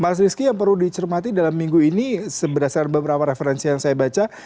mas rizky yang perlu dicermati dalam minggu ini berdasarkan beberapa referensi yang saya baca